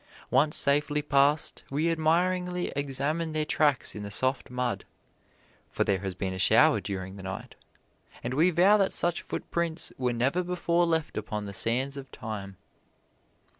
Once safely past, we admiringly examine their tracks in the soft mud (for there has been a shower during the night), and we vow that such footprints were never before left upon the sands of time.